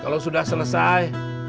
kalau sudah selesai